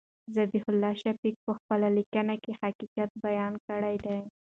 ذبیح الله شفق په خپله لیکنه کې حقیقت بیان کړی دی.